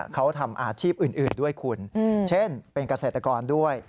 เขาทำอาชีพอื่นด้วยคุณเช่นเป็นเกษตรกรด้วย